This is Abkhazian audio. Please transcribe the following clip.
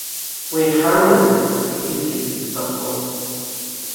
Уи ҳамазар, зегьы-зегь ӡбахон.